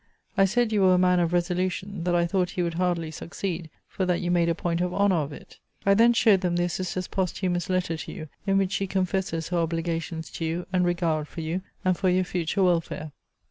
I said you were a man of resolution: that I thought he would hardly succeed; for that you made a point of honour of it. I then showed them their sister's posthumous letter to you; in which she confesses her obligations to you, and regard for you, and for your future welfare.